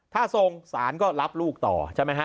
ถ้าส่งสารก็รับลูกต่อใช่ไหมฮะ